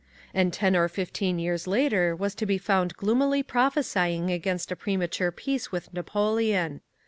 and ten or fifteen years later was to be found gloomily prophesying against a premature peace with Napoleon.